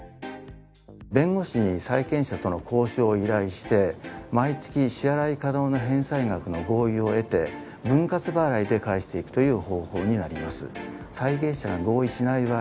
弁護士に債権者との交渉を依頼して毎月支払い可能な返済額の合意を得て分割払いで返していくという方法になります。